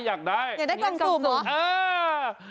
อยากได้กล่องซุ่มเหรอ